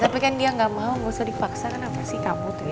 tapi kan dia ga mau ga usah dipaksa kenapa sih kamu tuh ya